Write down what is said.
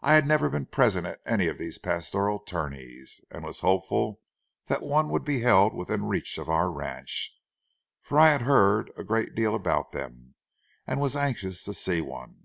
I had never been present at any of these pastoral tourneys and was hopeful that one would be held within reach of our ranch, for I had heard a great deal about them and was anxious to see one.